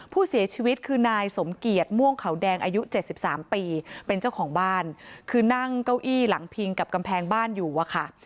ผู้เสียชีวิตคือนายสมเกียจม่วงเขาแดงอายุ๗๓ปีเป็นเจ้าของบ้านคือนั่งเก้าอี้หลังพิงกับกำแพงบ้านอยู่อะค่ะ